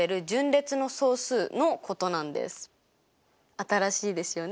新しいですよね？